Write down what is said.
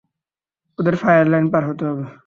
ওদের fire line পার হতে হবে!